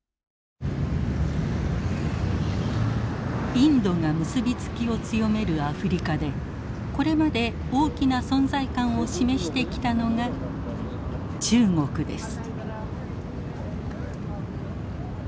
インドが結び付きを強めるアフリカでこれまで大きな存在感を示してきたのが中国です。